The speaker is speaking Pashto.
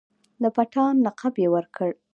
د پتهان لقب یې ورکړ.